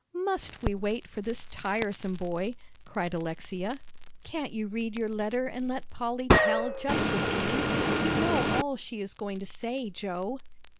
Must we wait for this tiresome boy?" cried Alexia. "Can't you read your letter and let Polly tell just the same? You know all she is going to say, Joe."